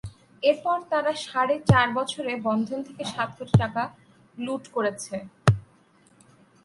এরপর তারা সাড়ে চার বছরে বন্ধন থেকে সাত কোটি টাকা লুট করেছে।